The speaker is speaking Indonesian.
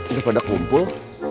ini pada kumpul